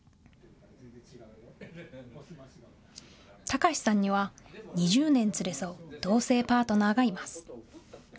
隆史さんには２０年連れ沿う同性パートナーがいます。